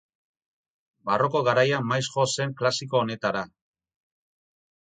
Barroko garaian maiz jo zen klasiko honetara.